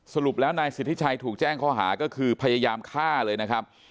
สรุปแล้วนายสิทธิชัยถูกแจ้งข้อหาก็คือพยายามฆ่าเลยนะครับ